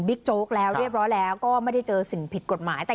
โจ๊กแล้วเรียบร้อยแล้วก็ไม่ได้เจอสิ่งผิดกฎหมายแต่